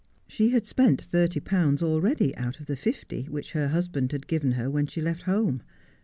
She had spent thirty pounds already out of the fifty which her husband had given her when she left home.